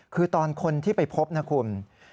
คือตอนคนที่ไปพบนะคุณ